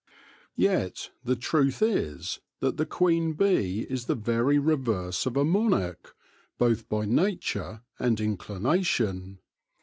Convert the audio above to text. Yet the truth is that the queen bee is the very re verse of a monarch, both by nature and inclination.